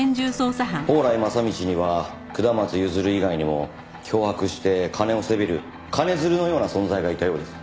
宝来正道には下松譲以外にも脅迫して金をせびる金づるのような存在がいたようです。